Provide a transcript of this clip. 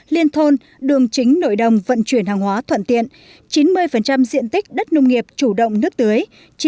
liên thôn đường chính nội đồng vận chuyển hàng hóa thuận tiện chín mươi diện tích đất nông nghiệp chủ động nước tưới